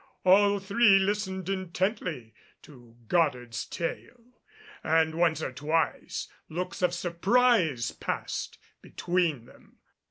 All three listened intently to Goddard's tale and once or twice looks of surprise passed between them.